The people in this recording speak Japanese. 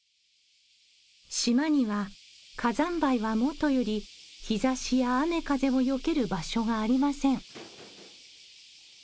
島には火山灰はもとより日差しや雨風をよける場所がありません。